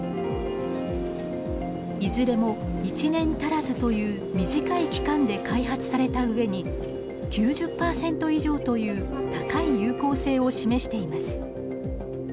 いずれも１年足らずという短い期間で開発されたうえに９０％以上という高い有効性を示しています。